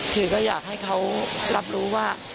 คือก็อยากให้เขารับรู้ว่า